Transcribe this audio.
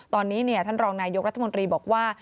ตอนนี้ท่านรองนายกรัฐมนตรีบอกว่า